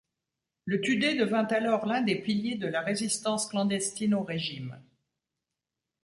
Le Tudeh devint alors l'un des piliers de la résistance clandestine au régime.